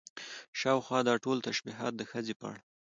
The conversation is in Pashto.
شاوخوا دا ټول تشبيهات د ښځې په اړه